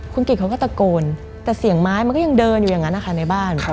คุณกิจเขาก็ตะโกนแต่เสียงไม้มันก็ยังเดินอยู่อย่างนั้นนะคะในบ้าน